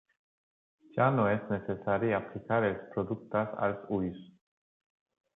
Ja no és necessari aplicar els productes als ulls.